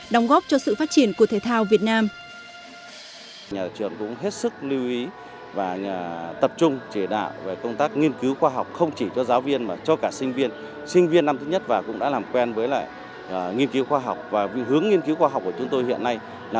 đóng góp cho sự phát triển của thể thao việt nam